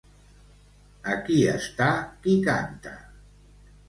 Aquí està qui canta.